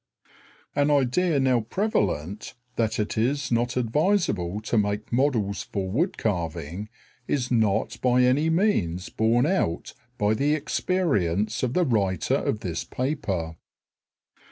An idea now prevalent that it is not advisable to make models for wood carving is not by any means borne out by the experience of the writer of this paper.